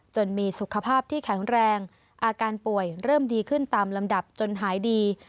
จนมีสุขภาพที่แข็งแรงอาการป่วยเริ่มดีขึ้นตามลำดับจนหายดี